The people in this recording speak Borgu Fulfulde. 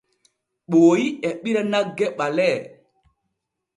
Ɓooyi e ɓira nagge ɓalee.